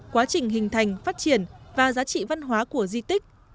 quá trình hình thành phát triển và giá trị văn hóa của di tích